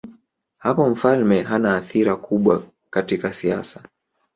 Hapo mfalme hana athira kubwa katika siasa.